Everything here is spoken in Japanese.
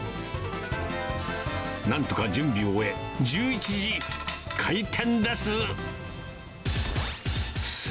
なんとか準備を終え、１１時開店です。